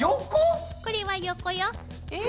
これは横よ。